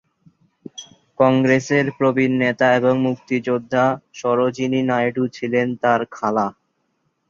কংগ্রেসের প্রবীণ নেতা এবং মুক্তিযোদ্ধা সরোজিনী নায়ডু ছিলেন তাঁর খালা।